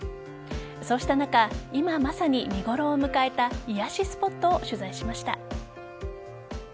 そうした中今まさに見頃を迎えた癒やしスポットを取材しました。